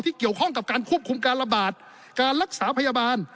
เกี่ยวข้องกับการควบคุมการระบาดการรักษาพยาบาล